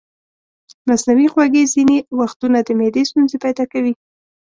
مصنوعي خوږې ځینې وختونه د معدې ستونزې پیدا کوي.